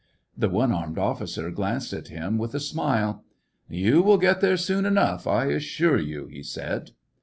The one armed officer glanced at him with a smile. " You will get there soon enough, I assure you," he said.